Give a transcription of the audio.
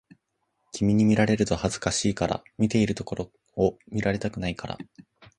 君に見られると恥ずかしいから、見ているところを見られたくないから